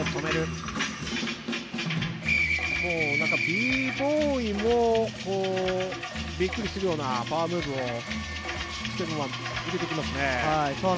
Ｂ−ＢＯＹもびっくりするようなパワームーブを入れてきますね。